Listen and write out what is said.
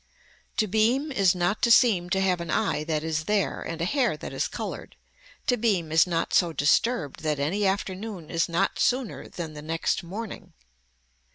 To beam is not to seem to have an eye that is there and a hair that is colored, to beam is not so disturbed that any afternoon is not sooner than the next morning.